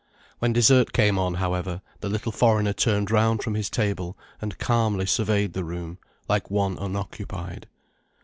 When dessert came on, however, the little foreigner turned round from his table and calmly surveyed the room, like one unoccupied.